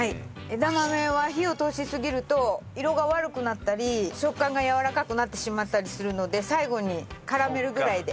枝豆は火を通しすぎると色が悪くなったり食感がやわらかくなってしまったりするので最後に絡めるぐらいで。